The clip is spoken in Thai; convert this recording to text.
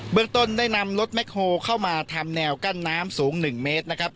เมืองต้นได้นำรถแคคโฮลเข้ามาทำแนวกั้นน้ำสูง๑เมตรนะครับ